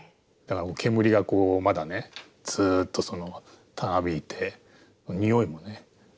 煙がこうまだねずっとたなびいてにおいもしますし。